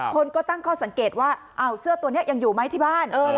คนก็ตั้งข้อสังเกตว่าเสื้อตัวนี้ยังอยู่ไหมที่บ้าน